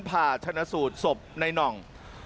ผ่าชนะสูตรสบในหนอง